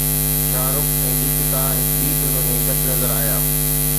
شاهه رخ ۽ ديپيڪا هڪ ٻي فلم ۾ گڏ نظر آيا